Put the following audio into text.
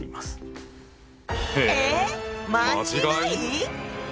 え間違い